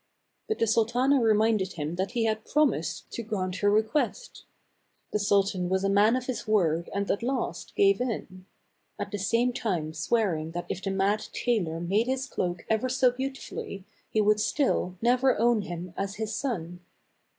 But the sultana reminded him that he had promised to grant her request. The sultan was a man of his word and at last gave in ; at the same time swearing that if the mad tailor made his cloak ever so beautifully he would still never own him as his son.